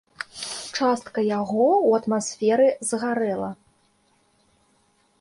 Частка яго ў атмасферы згарэла.